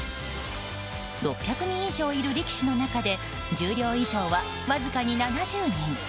６００人以上いる力士の中で十両以上はわずかに７０人。